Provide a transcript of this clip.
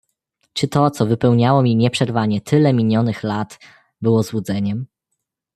"Czy to, co wypełniało mi nieprzerwanie tyle minionych lat, było złudzeniem?"